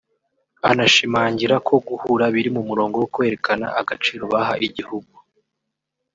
Anashimangira ko guhura biri mu murongo wo kwerekana agaciro baha igihugu